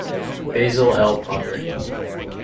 Basil L. Plumley.